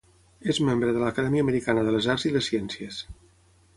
És membre de l'Acadèmia Americana de les Arts i les Ciències.